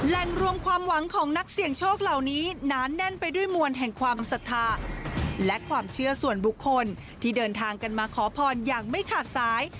แหล่งรวมความหวังของนักเสี่ยงโชคเหล่านี้หนาแน่นไปด้วยมวลแห่งความศรัทธาและความเชื่อส่วนบุคคลที่เดินทางกันมาขอพรอย่างไม่ขาดสาย